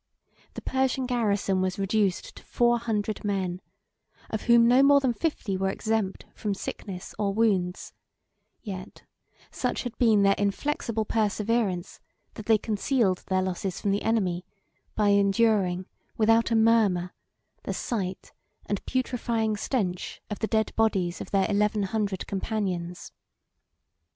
The Persian garrison was reduced to four hundred men, of whom no more than fifty were exempt from sickness or wounds; yet such had been their inflexible perseverance, that they concealed their losses from the enemy, by enduring, without a murmur, the sight and putrefying stench of the dead bodies of their eleven hundred companions.